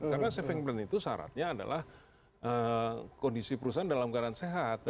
karena saving plan itu syaratnya adalah kondisi perusahaan dalam keadaan sehat